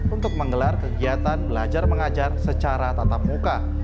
untuk menggelar kegiatan belajar mengajar secara tatap muka